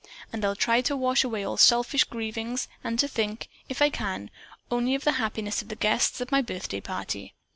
And I'll try to wash away all selfish grievings and to think, if I can, only of the happiness of the guests at my birthday party.